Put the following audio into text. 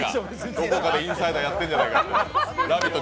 どこかでインサイダー、やってんじゃないかって「ラヴィット！」